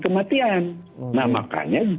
kematian nah makanya